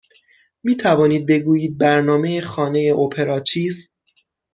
می توانید بگویید برنامه خانه اپرا چیست؟